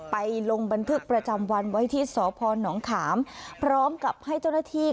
ลงบันทึกประจำวันไว้ที่สพนขามพร้อมกับให้เจ้าหน้าที่